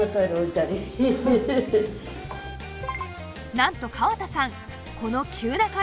なんと川田さん